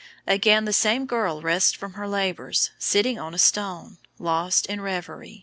Again the same girl rests from her labors, sitting on a stone, lost in revery.